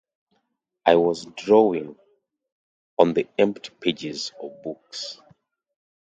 I was drawing... on the empty pages of books.